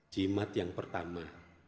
jimat yang pertama